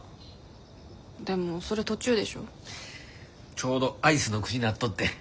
ちょうどアイスの口になっとってん。